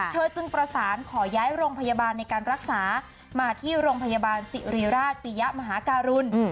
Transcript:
จึงประสานขอย้ายโรงพยาบาลในการรักษามาที่โรงพยาบาลสิริราชปียะมหาการุณ